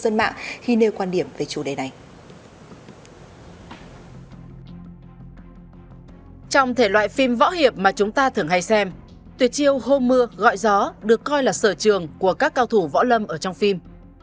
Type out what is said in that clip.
trong thể loại phim võ hiệp mà chúng ta thường hay xem tuyệt chiêu hôm mưa gọi gió được coi là sở trường của các cao thủ võ lâm ở trong phim